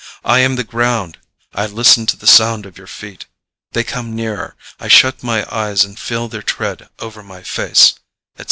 I am the ground; I listen to the sound of your feet. They come nearer. I shut my eyes and feel their tread over my face," etc.